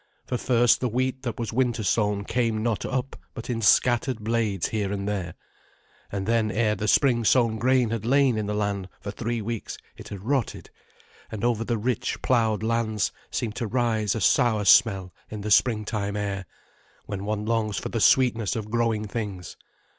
For first the wheat that was winter sown came not up but in scattered blades here and there, and then ere the spring sown grain had lain in the land for three weeks it had rotted, and over the rich, ploughed lands seemed to rise a sour smell in the springtime air, when one longs for the sweetness of growing things.